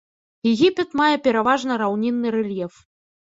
Егіпет мае пераважна раўнінны рэльеф.